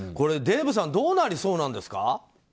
デーブさんどうなりそうなんですか？